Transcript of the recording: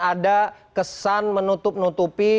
ada kesan menutup nutupi